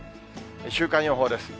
週間予報です。